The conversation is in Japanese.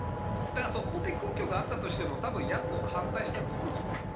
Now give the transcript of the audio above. だから法的根拠があったとしても多分野党は反対したと思うんですよね。